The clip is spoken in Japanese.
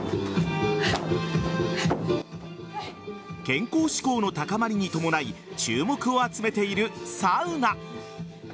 健康志向の高まりに伴い注目を集めているサウナ。